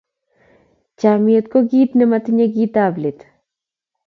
chamiet ko kit nematinye kit ab let